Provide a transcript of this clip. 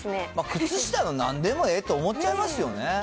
靴下ならなんでもええと思っちゃいますよね。